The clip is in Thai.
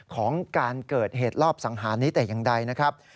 ของการเกิดเหตุรอบสังหารนี้แต่อย่างใดนะครับ